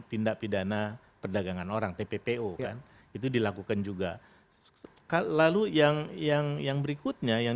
tindak pidana perdagangan orang tppo kan itu dilakukan juga lalu yang yang berikutnya yang